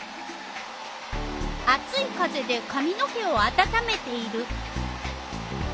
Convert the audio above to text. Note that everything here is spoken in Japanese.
あつい風でかみの毛をあたためている。